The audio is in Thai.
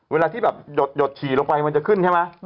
เวลาที่แบบหยดฉี่ลงไปมันจะขึ้นใช่ไหม